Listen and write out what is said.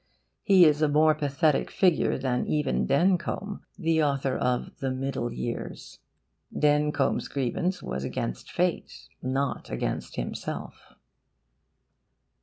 He is a more pathetic figure than even Dencombe, the author of THE MIDDLE YEARS. Dencombe's grievance was against fate, not against himself.